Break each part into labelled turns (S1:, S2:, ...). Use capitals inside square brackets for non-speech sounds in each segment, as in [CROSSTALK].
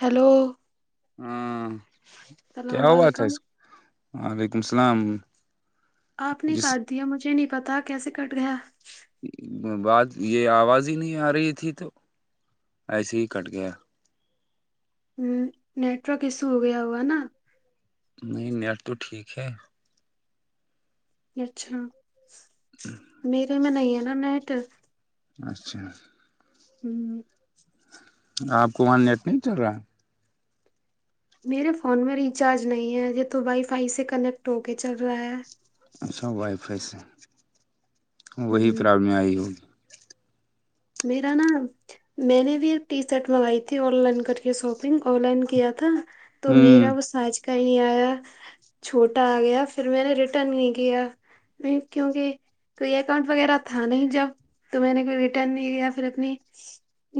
S1: Hello [UNINTELLIGIBLE]
S2: ہ کیا
S1: السلام
S2: ہوات
S1: علیکم
S2: ہےز وعلیکم اللام [UNINTELLIGIBLE]
S1: آپ نے کاٹ دیا مجھے نہیں پتا کیسے کٹ گیا
S2: بات یہ آواز ہی نہیں آ رہی تھی تو ایسے ہی کٹ گیا
S1: نیٹورک ایشو ہو گیا ہوا نا
S2: نہیں نیٹ تو ٹھیک ہے
S1: اچھا میرے میں نہیں ہے نا نیٹ
S2: اچھا
S1: ہوں [UNINTELLIGIBLE]
S2: آپ کو وہاں نیٹ نہیں چل رہا ہے
S1: میرے فون میں ریچارج نہیں ہے یہ تو وائی فائی سے کنیکٹ ہو کے چل رہا ہے
S2: اچھا وائی فائی سے وہی
S1: ہ
S2: پرابلم آئی ہوگی
S1: میرا نا [UNINTELLIGIBLE] میں نے بھی ایک ٹی شرٹ منگائی تھی آن لائن کر کے شاپنگ آن لائن کیا تھا تو
S2: ہوں
S1: میرا وہ سانچ کا ہی نہیں آیا چھوٹا آ گیا پھر میں نے ریٹرن نہیں کیا کیونکہ کوئی اکاؤنٹ وغیرہ تھا نہیں جب تو میں نے کوئی رٹن یا پھر اپنی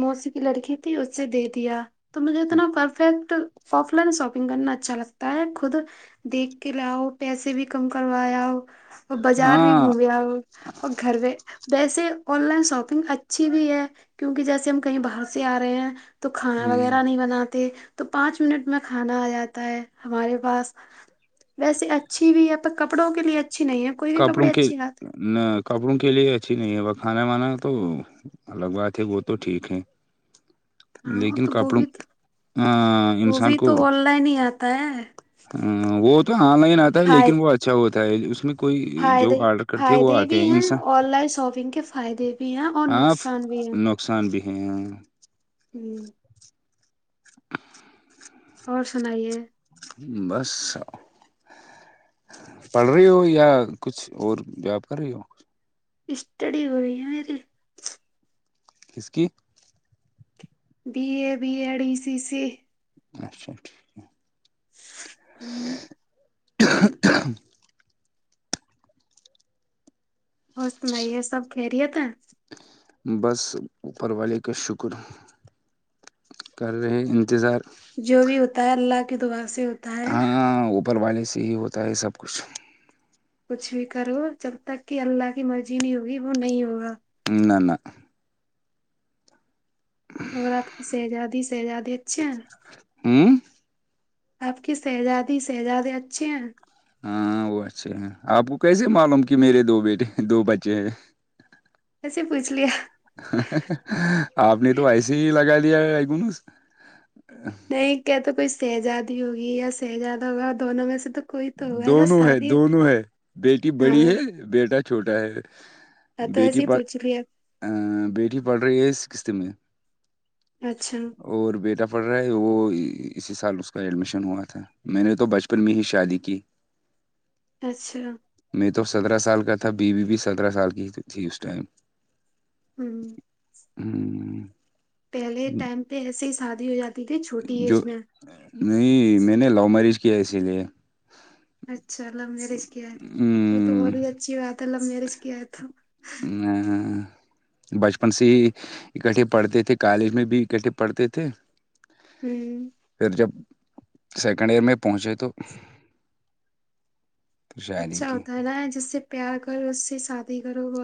S1: موسی کی لڑکی تھی اسے دے دیا تو مجھے اتنا پرفیکٹ آف لائن شاپنگ کرنا اچھا لگتا ہے خود دیکھ کے لاؤ پیسے بھی کم کروایا ہو اور بازار بھی
S2: ہاں
S1: گھومےیا اور گھر و ویسے آن لائن شاپ اچھی بھی ہے کیونکہ جیسے ہم کہیں باہر سے آ رہے ہیں تو کھانا
S2: ہ
S1: وغیرہ نہیں بناتے تو پانچ منٹ میں کھانا آ جاتا ہے ہمارے پاس ویسے اچھی بھی ہے پر کپڑوں کے لیے اچھی نہیں ہے کوئی بھی
S2: کپڑوں
S1: کپڑے
S2: کے
S1: اچھے آتے
S2: نہ کپڑوں کے لیے اچھی نہیں ہے کھانا وانا تو الگ بات ہے وہ تو ٹھیک ہے
S1: ہیں۔ ہاں
S2: لیکن
S1: تو وہ
S2: کپڑوں
S1: بھی
S2: انسان کو
S1: نہیں آتا ہے [UNINTELLIGIBLE]
S2: وہ تو آن لائن آتا ہے
S1: فائد
S2: لیکن وہ اچھا ہوتا ہے اس میں کوئی جو
S1: فائدے
S2: آرڈر کرتے وہ
S1: فائدے
S2: آتے
S1: بھی
S2: ہیں انسان
S1: آن لائن شاپنگ کے فائدے بھی ہیں اور
S2: ہاں
S1: نقصان بھی
S2: [UNINTELLIGIBLE] نقصان بھی ہے
S1: ہوں [UNINTELLIGIBLE] اور سنائیے [UNINTELLIGIBLE]
S2: بس [UNINTELLIGIBLE] پڑھ رہی ہو یا کچھ اور جاب کر رہی ہو
S1: اسسٹ ڈی ہوئی ہے میری
S2: کسک [UNINTELLIGIBLE]
S1: be A B Ed E C C
S2: اچھا ٹھیک ہے
S1: ہوں [INAUDIBLE] ہوس میں یہ سب کہہ رہی ہے تھا
S2: بس اوپر والے کا شکر کر رہے انتظار
S1: جو بھی ہوتا ہے اللہ کی دعا سے ہو
S2: ہاں اوپر والے سے ہی ہوتا ہے سب کچھ
S1: کچھ بھی کرو جب تک کہ اللہ کی مرضی نہیں ہوگی وہ نہیں ہوگا [UNINTELLIGIBLE]
S2: ان ن [INAUDIBLE]
S1: اور آپ کی شہزادی شہزادی اچھے ہیں
S2: ہوں
S1: آپ کی شہزادی شہزادے اچھے ہیں
S2: ہاں وہ اچھے ہیں آپ کو کیسے معلوم کہ میرے دو بیٹے دو بچے ہیں
S1: کیسے پوچھ لیا
S2: آپ نے تو ایسے ہی لگا لیا ہے ای گن
S1: نہیں کیا تو کوئی سہزادی ہوگی یا سہزادہ ہوگا دونوں میں سے تو کوئی تو ہوگا جو
S2: دونوں ہے
S1: شادی
S2: دونوں ہے بیٹی بڑی ہے
S1: ہاں
S2: بیٹا چھوٹا ہے
S1: تو
S2: بیٹی
S1: ایسے ہی
S2: پڑھ
S1: پوچھ لیا
S2: ا بیٹی پڑھ رہی ہے اس قسط میں
S1: اچھا
S2: اور بیٹا پڑھ رہا ہے وہ اسی سال اس کا ایڈمیشن ہوا تھا میں نے تو بچپن میں ہی شادی اکی
S1: اچھا
S2: میں تو سترہ سال کا تھا بی بی بھی سترہ سال کی تھی اس ٹائم
S1: ہوں
S2: ہوں
S1: پہلے ٹائم پہ ایسے ہی شادی ہو جاتی تھی چھوٹی
S2: جو
S1: ایج میں
S2: نہیں میں نے لو میرج کیا اسی لیے
S1: اچھا لو میرج کیا ہے وہ تو
S2: ہوں،
S1: بہت ہی اچھی بات ہے لو میرج کیا ہے تو
S2: ا بچپن سے ہی اکٹھے پڑھتے تھے کالج میں بھی اکٹھے پڑھتے تھے
S1: ہوں
S2: پھر جب سیکنڈ ایئر میں پہنچے تو شادی
S1: اچھا
S2: کی
S1: ہوتا ہے نا جس سے پیار کرو اس سے شادی کرو ب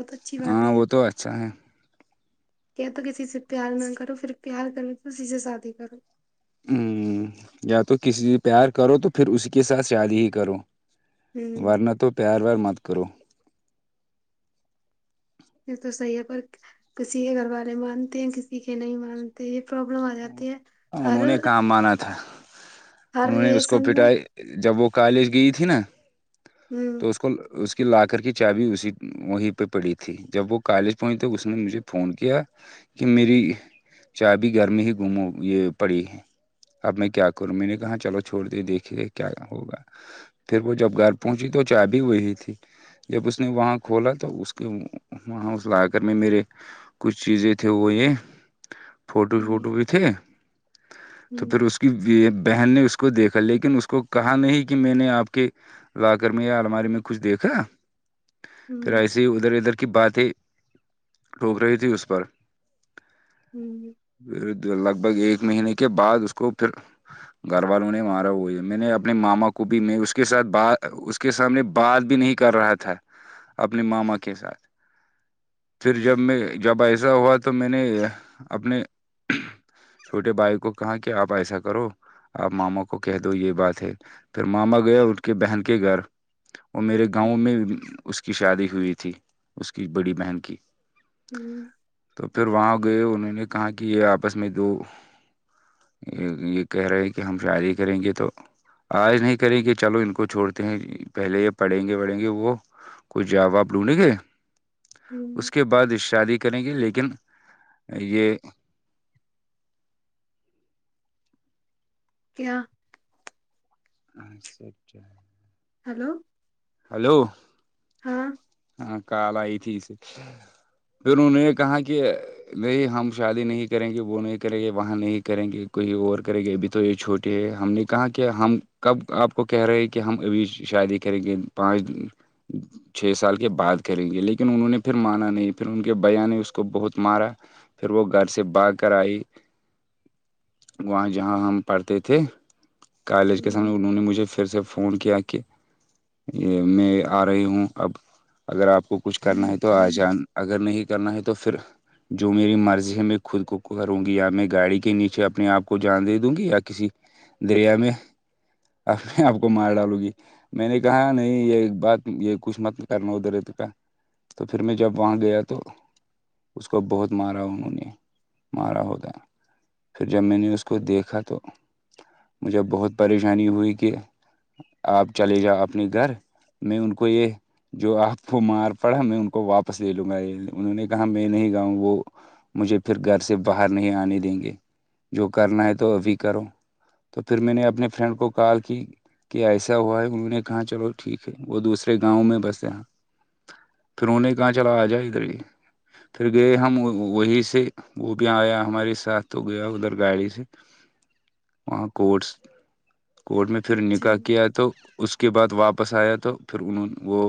S2: ہاں وہ تو اچھا ہے
S1: کہ تو کسی سے پیار نہ کرو پھر پیار کرو تو اسسی سے شادی کرو
S2: ہوں یا تو کسی سے پیار کرو تو پھر اسی کے ساتھ شادی ہی کرو
S1: ہوں
S2: ورنہ تو پیار وار مت کرو
S1: یہ تو صحیح ہے پر کسی کے گھر والے مانتے ہیں کسی کے نہیں مانتے یہ پرابلم آ جاتی ہے ہر
S2: انہوں نے کام مانا تھا
S1: ہر
S2: انہوں نے اس کو
S1: رلیسن میں
S2: پٹائی جب وہ کالج گئی تھی نا
S1: ہوں
S2: تو اس کو اس کی لاکر کی چابی اسی وہیں پہ پڑی تھی جب وہ کالج پہنچ توے اس نے مجھے فون کیا کہ میری چا بھیی گھر میں ہی گم ہو یہ پڑی ہے اب میں کیا کروں میں نے کہا چلو چھوڑ د دیکھیے کیا ہوگا پھر وہ جب گھر پہنچی تو چائے بھی ہوی تھی جب اس نے وہاں کھولا تو اس کے وہاں اس کو آ کر میں میرے کچھ چیزیں تھے وہ یہ فوٹو
S1: ہوں
S2: شوٹو بھی تھے تو پھر
S1: ہوں
S2: اس کے کہ بہن نے اس کو دیکھا لیکن اس کو کہا نہیں کہ میں نے آپ کے لا کر میں یا الماری میں کچھ دیکھا پھر
S1: ہوں
S2: ایسیے ہی ادھر ادھر کی باتیں ٹھوک رہی تھی اس پر
S1: ہوں
S2: لگ بھگ ایک مہینے کے بعد اس کو پھر گھر والوںہ نے مارا وہا ہے میں نے اپنے ماما کو بھی میں اس کے ساتھ ب کے سامنے بات بھی نہیں کر رہا تھا اپنے ماما کے ساتھ پھر
S1: ہوں
S2: جب میں جب ایسا ہوا تو میں نے اپنے چھوٹے بھائی کو کہاں کیا آپ ایسا کرو آپ ماما کو کہہ دو یہ بات ہے پھر ماما گئے ان کے بہن کے گھر اور میرے گاؤں
S1: ہوں
S2: میں اس کی شادی ہوئی تھی اس کی بڑی بہن کی
S1: ہوں
S2: تو پھر وہاں گئے انہوں نے کہا کہ یہ آپس میں دو یہ یہ کہہ رہے ہیں کہ ہم شادی کریں گے تو آج نہیں کریں کہ چلو ان کو چھوڑتے ہیں پہلے یہ پڑھیں گے پڑھیں گے وہ کوئی جااب آابلونے گ اس
S1: ہوں
S2: کے بعد شادی کریں گے لیکن یہ
S1: کیا
S2: اچ سا اچھا
S1: ہیلو
S2: ہلو
S1: ہاں
S2: ہاں کال آئی تھی اسے پھر انہوں نے کہا کہ نہیں ہم شادی نہیں کریں گے وہ نہیں کریں گے وہاں نہیں کریں گے کوئی اور کریں گے ابھی تو یہ چھوٹی ہم نے کہا کہ ہم کب آپ کو کہہ رہے ہیں کہ ہم ابھی شادی کریں گے پانچ چھ سال کہ بات کریں گے لیکن انہوں نے پھر مانا نہیں پھر ان کے بیا نے اس کو بہت مارا پھر وہ گھر سے با کر آئی وہاں جہاں ہم پڑھتے تھے کالج کے
S1: ہوں
S2: سمے انہوں نے مجھے پھر سے فون کیا کہ یہ میں آ رہی ہوں اب اگر آپ کو کچھ کرنا ہے تو آ جان اگر نہیں کرنا ہے تو پھر جو میری مرضی ہے میں خود کو کروں گی یا میں گاڑی کے نیچے اپنے آپ کو جان دے دوں گی یا کسی دریا میں آ آپ کو مار ڈالوں گی میں نے کہا نہیں یہ بات یہ کچھ مطل کرنا ادھر اد کا تو پھر میں جب وہاں گیا تو اس کو بہت مارا انہوں نے مارا ہوتا پھر جب میں نے اس کو
S1: ہوں
S2: دیکھا تو مجھے بہت پریشانی ہوئی کہ آپ چلے جاؤ اپنے گھر میں ان کو یہ جو آپ کو مار پڑا میں ان کو واپس لے لوں گا انہوں نے کہا میں نہیں گاؤں وہ مجھے پھر گھر سے باہر نہیں آنے دیں گے جو کرنا ہے تو ابھی کرو تو پھر میں نے اپنے فرینڈ کو کال کی کہ ایسا ہوا ہے انہوں نے کہا چلو ٹھیک ہے وہ دوسرے گاؤں میں بسے یہاں پھر انہیں کہاں چلا آ جائے ادھر بھی پھر گئے ہم وہی سے وہ بھی آیا ہمارے ساتھ تو گیا ادھر گاڑی سے وہاں کوٹس کورٹ میں پھر
S1: اچھا
S2: نکاح کیا تو اس کے بعد واپس آیا تو پھر انہوں وہ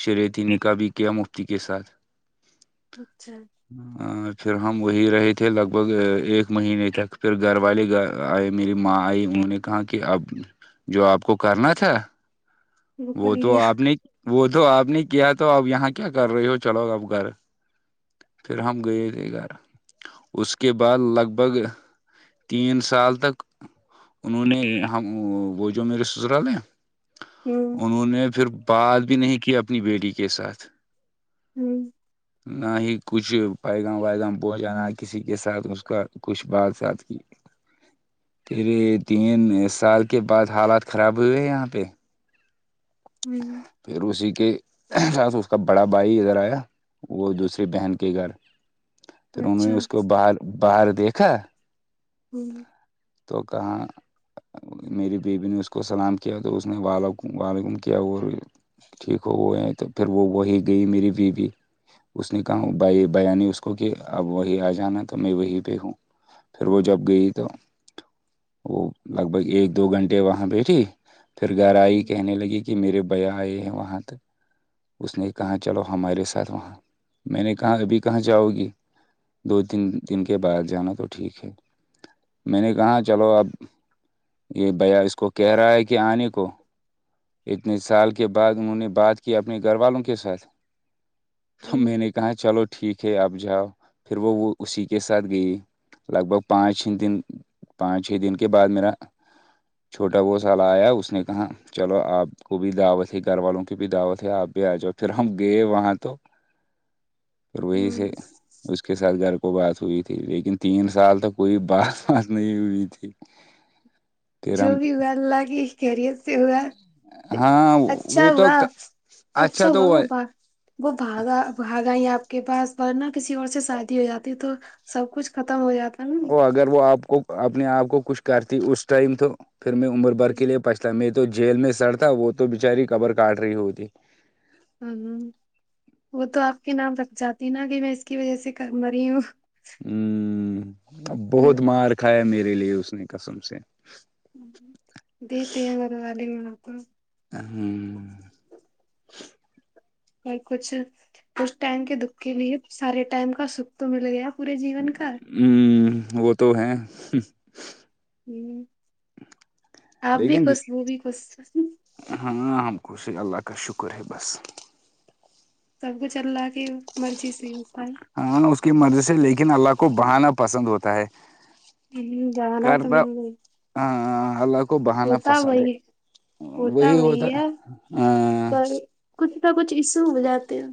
S2: شریعت ن کا بھی کیا مفتی کے ساتھ
S1: اچھا
S2: پھر ہم وہی رہے تھے لگ بھگ ایک مہینے تک پھر گھر والے گ آئے میری ماں آئی انہوں نے کہا کہ اب جو آپ کو کرنا تھا
S1: کر
S2: وہ تو
S1: لیا
S2: آپ نے وہ تو آپ نے کیا تو اپ یہاں کیا کر رہی ہو چلو اپ گھر پھر ہم گئے تھے گھر اس کے بعد لگ بھگ تین سال تک انہوں نے ہم وہ جو میرے سسرالے ہیں
S1: ہوں
S2: انہوں نے پھر بات بھی نہیں کی اپنی بیٹی کے ساتھ
S1: ہوں [INAUDIBLE]
S2: ہ [INAUDIBLE] نہ ہی کچھ پیغام ویغام پہ جان نہ کسی کے ساتھ اس کا کچھ بات سات کی تریے تین سال کے بعد حالات خراب ہوئے ہیں یہاں پہ
S1: ہوں [INAUDIBLE]
S2: پھر اسی کے ساتھ اس کا بڑا بھائی ادھر آیا وہ دوسریے بہن کے گھر پھر انہوں نے
S1: اچھا
S2: اس کو باہر باہر دیکھا
S1: ہوں [INAUDIBLE] [INAUDIBLE]
S2: تو کہاں میری بی بیی نے اس کو سلام کیا تو اس نے وال وعلیکم کیا اور ٹھیک ہو ہوئے ہیں تو پھر وہ وہی گئی میری بیوی اس نے کہا بائی بیانی اس کو کہ اب وہی آ جانا تو میں وہی پہ ہوں پھر وہ جب گئی تو وہ لگ بھگ ایک دو گھنٹے وہاں بیٹھی پھر گھر آئی
S1: ہوں
S2: کہنے لگی کہ میرے بھیا آئے ہیں وہاں تک اس نے کہا چلو ہمارے ساتھ وہاں میں نے کہا ابھی کہاں جاؤ گی دو تین دن کے بعد جانا تو ٹھیک ہے میں نے کہا چلو اب یہ بھیا اس کو کہہ رہا ہے کہ آنے کو اتنے سال کے بعد انہوں نے بات کی اپنے گھر والوں کے ساتھ تو میں
S1: ہوں
S2: نے کہاں چلو ٹھیک ہے اب جاؤ پھر وہ اسی کے ساتھ گئی لگ بھگ پانچ چھ دن پانچ چھ دن کے بعد میرا چھوٹا بہ س والا آیا اس نے کہا چلو آپ کو بھی دعوت ہے گھر والوں کی بھی دعوت ہے آپ بھی آ جاؤ پھر ہم گئے وہاں تو پھر وہی سے
S1: ہوں
S2: اس اس کے ساتھ گھر کو بات ہوئی تھی لیکن تین سال تک کوئی بات بات نہیں ہوئی تھی [INAUDIBLE] [INAUDIBLE]
S1: جو بھی ہوا ال لاگی کیریئر سے ہوا
S2: ہاں
S1: اچھا
S2: وہ تو
S1: ہوا اچھا ہوا وہ بار وہ بھاگا بھاگا ہی آپ کے پاس ورنہ کسی اور سے شادی ہو جاتی تو سب کچھ ختم ہو جاتا ہے نا
S2: وہ اگر وہ آپ کو اپنے آپ کو کچھ کرتی اس ٹائم تو پھر میں عمر بھر کے لئے پچ س میں تو جیل میں سڑ تھا وہ تو بچاری قبر کاٹ رہی ہوتی
S1: ہ وہ تو آپ کے نام رکھ جاتی نا کہ میں اس کی وجہ سے کر م رہی ہوں
S2: ہوں ا بہت
S1: ہوں
S2: مار کھایا میرے لیے اس نے قسم سے
S1: دتے یہ زر ج م تو
S2: ہ [INAUDIBLE]
S1: کو کچھ اس ٹائم کے دکھ کے نہیں سارے ٹائم کا سکھ تو مل گیا پورے جیون کا
S2: ہ وہ تو ہیں
S1: ہ آپ بھی
S2: لیکن
S1: کھ وہ بھی کھ
S2: ہاں ہم خوش ہیں اللہ کا شکر ہے بس
S1: سب کو چل رہا ہے کہ مرضی سے انسان
S2: ہاں اس کی مدد سے لیکن اللہ کو بہانا پسند ہوتا ہے
S1: ہے جانا تو
S2: کرتا
S1: مل گئی
S2: ہ اللہ کو بہانا
S1: ہوتا
S2: پسند ہے
S1: وہی
S2: وہی ہوتا ہ
S1: پر کچھ نہ کچھ ایشو ہو جاتے ہیں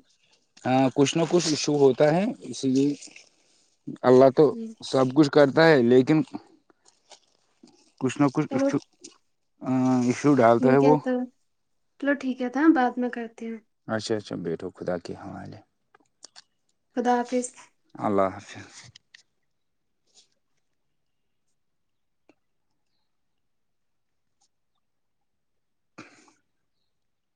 S2: ہاں کچھ نہ کچھ ایشو ہوتا ہے اسی لیے اللہ تو سب کچھ کرتا ہے لیکن کچھ نہ
S1: چلو
S2: کچھ اھ
S1: ٹھیک ہے تو چلو ٹھیک ہے تھا بعد میں کرتی ہوں
S2: اچھا اچھا بیٹو خدا کے حوالے
S1: خدافظ
S2: اللہ حافظ